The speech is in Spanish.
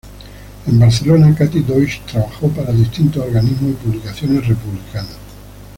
En Barcelona, Kati Deutsch trabajó para distintos organismos y publicaciones republicanas.